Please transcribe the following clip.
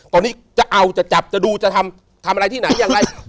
ตอนนี้จะเอาจะจับจะดูจะทำอะไรที่ไหนอย่างไร